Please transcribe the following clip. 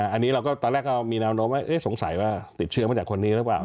อันนี้เราก็ตอนแรกก็มีแนวโน้มว่าสงสัยว่าติดเชื้อมาจากคนนี้หรือเปล่า